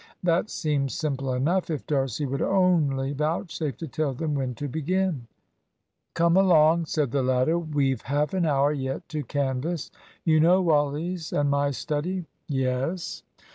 That seemed simple enough, if D'Arcy would only vouchsafe to tell them when to begin. "Come along," said the latter. "We've half an hour yet to canvass. You know Wally's and my study?" "Yes."